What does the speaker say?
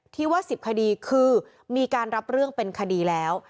ที่ว่า๑๐คดีคือมีการรับเรื่องเป็นคดีแล้ว